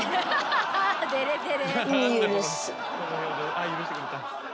あっ許してくれた。